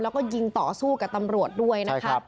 แล้วก็ยิงต่อสู้กับตำรวจด้วยนะคะ